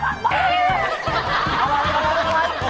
โตไหลอ่ะ